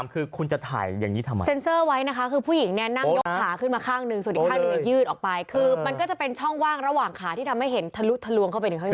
คือมันก็จะเป็นช่องว่างระหว่างขาที่ทำให้เห็นทะลุทะลวงเข้าไปถึงข้างใน